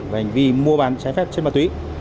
và hành vi mua bán trái phép trên ma túy